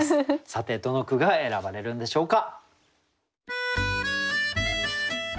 さてどの句が選ばれるんでしょうか。